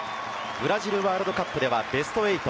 ブラジルワールドカップではベスト８。